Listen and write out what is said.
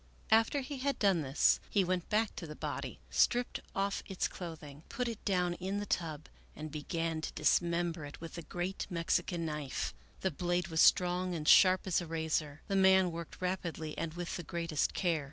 After he had done this he went back to the body, stripped off its clothing, put it down in the tub and began to dismember it with the great Mexican knife. The blade was strong and sharp as a razor. The man worked rapidly and with the greatest care.